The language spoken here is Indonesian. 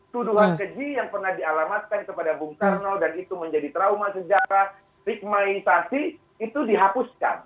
tuduhan keji yang pernah dialamatkan kepada bung karno dan itu menjadi trauma sejarah stigmatisasi itu dihapuskan